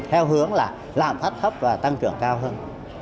theo hướng là lạm phát thấp và tăng trưởng cao hơn